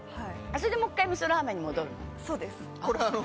それでもう１回みそラーメンに戻るの？